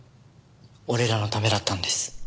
俺らのためだったんです。